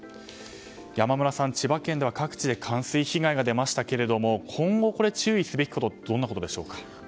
山村さん、千葉県では各地で冠水被害が出ましたが今後、注意すべきことってどんなことでしょうか。